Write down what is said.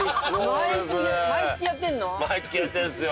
毎月やってるんですよ。